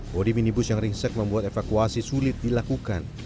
bodi minibus yang ringsek membuat evakuasi sulit dilakukan